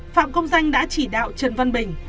phạm công danh đã chỉ đạo trần văn bình